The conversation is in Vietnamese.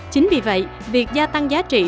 chính vì vậy việc gia tăng giá trị